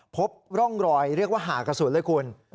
พบร่องรอยเรียกว่าหากระสุนเลยคุณ